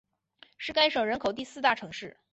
是该省人口第四大城市。